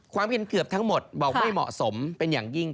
ความเห็นเกือบทั้งหมดบอกไม่เหมาะสมเป็นอย่างยิ่ง